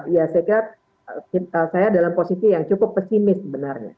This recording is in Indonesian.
ya saya kira saya dalam posisi yang cukup pesimis sebenarnya